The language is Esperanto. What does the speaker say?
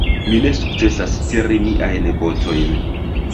Mi ne sukcesas tiri miajn botojn.